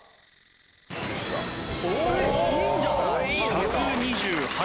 １２８。